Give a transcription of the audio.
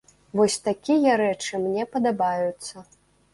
Вось такія рэчы мне падабаюцца.